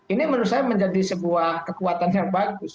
ini menurut saya menjadi sebuah kekuatan yang bagus